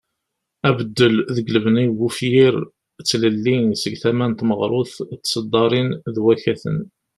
Abeddel deg lbeni n ufyir ,d tlelli seg tama n tmeɣrut d tesddarin d wakaten.